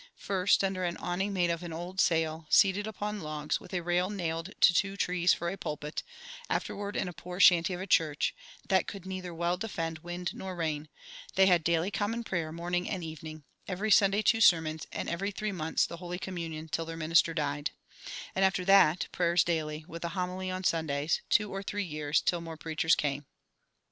First under an awning made of an old sail, seated upon logs, with a rail nailed to two trees for a pulpit, afterward in a poor shanty of a church, "that could neither well defend wind nor rain," they "had daily common prayer morning and evening, every Sunday two sermons, and every three months the holy communion, till their minister died"; and after that "prayers daily, with an homily on Sundays, two or three years, till more preachers came."